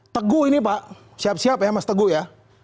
teguh ini pak siap siap ya mas teguh ya